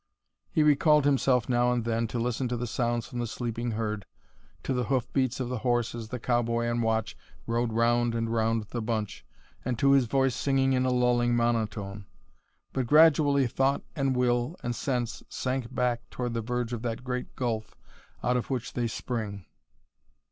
He recalled himself now and then to listen to the sounds from the sleeping herd, to the hoof beats of the horse as the cowboy on watch rode round and round the bunch, and to his voice singing in a lulling monotone. But gradually thought and will and sense sank back toward the verge of that great gulf out of which they spring.